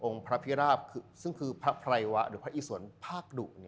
พระพิราบซึ่งคือพระไพรวะหรือพระอิสวนภาคดุ